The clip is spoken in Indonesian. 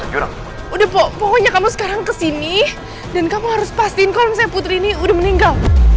sekarang udah pokoknya kamu sekarang kesini dan kamu harus pastikan saya putri ini udah meninggal